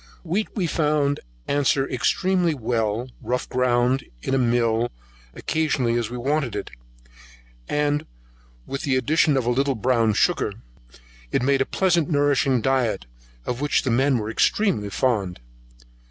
Wheat we found answer extremely well, rough ground in a mill occasionally as we wanted it, and with the addition of a little brown sugar, it made a pleasant nourishing diet, of which the men were extremely fond.